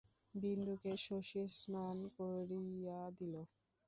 বিন্দুকে শশী স্নান করাইয়া দিল।